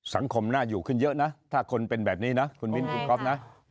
สังคมน่าอยู่ขึ้นเยอะนะถ้าคนเป็นแบบนี้นะคุณวิทย์กุ๊บน่ะ